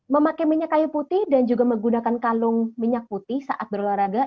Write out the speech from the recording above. memakai minyak kayu putih dan juga menggunakan kalung minyak putih saat berolahraga